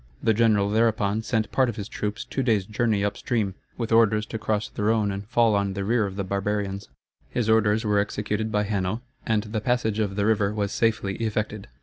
The general thereupon sent part of his troops two days' journey up stream, with orders to cross the Rhone and fall on the rear of the barbarians. His orders were executed by Hanno, and the passage of the river was safely effected.